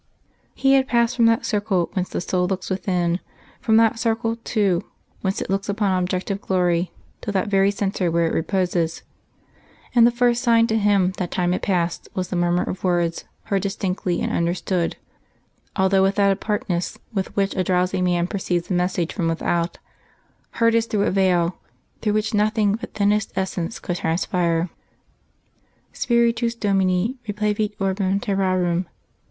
He had passed from that circle whence the soul looks within, from that circle, too, whence it looks upon objective glory, to that very centre where it reposes and the first sign to him that time had passed was the murmur of words, heard distinctly and understood, although with that apartness with which a drowsy man perceives a message from without heard as through a veil through which nothing but thinnest essence could transpire. _Spiritus Domini replevit orbem terrarum....